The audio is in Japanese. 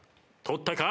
取ったか？